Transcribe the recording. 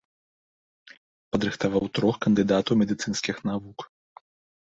Падрыхтаваў трох кандыдатаў медыцынскіх навук.